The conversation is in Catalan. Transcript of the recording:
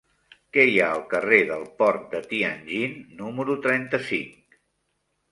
Què hi ha al carrer del Port de Tianjin número trenta-cinc?